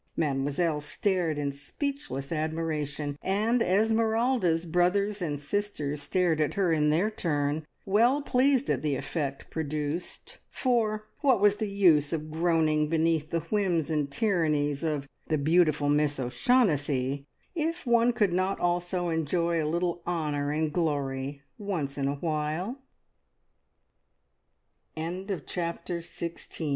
Mademoiselle stared in speechless admiration, and Esmeralda's brothers and sisters stared at her in their turn, well pleased at the effect produced; for what was the use of groaning beneath the whims and tyrannies of "the beautiful Miss O'Shaughnessy," if one could not also enjoy a little honour and glory once in a while? CHAPTER SEVENTEEN. ESMERALDA'S WILES.